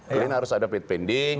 clean harus ada fate pending